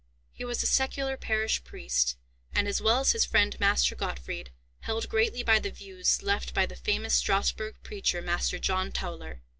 He was a secular parish priest, and, as well as his friend Master Gottfried, held greatly by the views left by the famous Strasburg preacher, Master John Tauler.